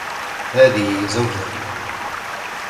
هذه زوجتي.